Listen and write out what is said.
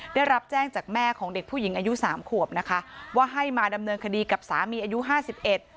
ได้รับแจ้งจากแม่ของเด็กผู้หญิงอายุสามขวบนะคะว่าให้มาดำเนินคดีกับสามีอายุห้าสิบเอ็ด